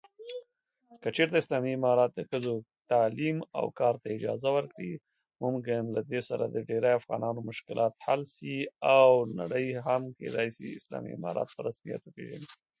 Thus, in these situations, Exec Shield's schemes fails.